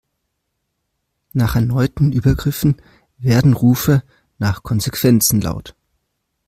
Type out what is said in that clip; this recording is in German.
Nach erneuten Übergriffen werden Rufe nach Konsequenzen laut.